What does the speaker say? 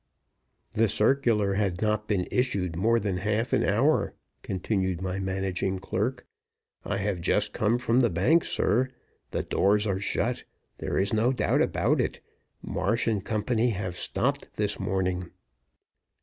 "The circular has not been issued more than half an hour," continued my managing clerk. "I have just come from the bank, sir. The doors are shut; there is no doubt about it. Marsh & Company have stopped this morning."